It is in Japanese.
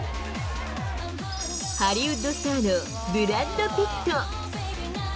ハリウッドスターのブラッド・ピット。